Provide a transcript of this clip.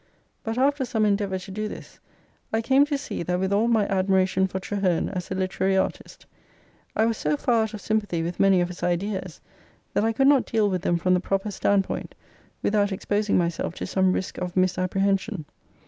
But after some endeavour to do this, I came to see that with all my admiration for Traheme as a literary artist, I was so far out of sympathy with many of his ideas that I could not deal with them from the proper standpoint without exposing myself to some risk of misapprehension.